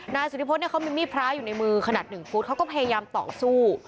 นายสุธิพฤษเขามีมีดพระอยู่ในมือขนาด๑ฟุตเขาก็พยายามต่อสู้